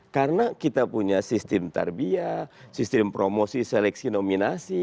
karena kita punya sistem tarbiah sistem promosi seleksi nominasi